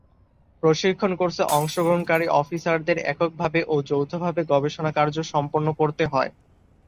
প্রশিক্ষণ কোর্সে অংশগ্রহণকারী অফিসারদের এককভাবে ও যৌথভাবে গবেষণাকার্য সম্পন্ন করতে হয়।